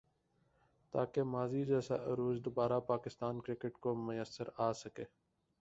تاکہ ماضی جیسا عروج دوبارہ پاکستان کرکٹ کو میسر آ سکے ۔